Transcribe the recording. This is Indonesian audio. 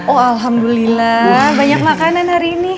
oh alhamdulillah banyak makanan hari ini